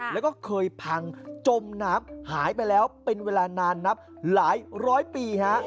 แล้วก็เคยพังจมน้ำหายไปแล้วเป็นเวลานานนับหลายร้อยปีฮะ